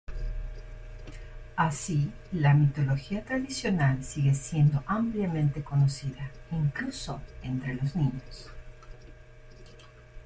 Así, la mitología tradicional sigue siendo ampliamente conocida, incluso entre los niños.